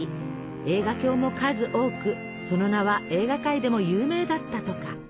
映画評も数多くその名は映画界でも有名だったとか。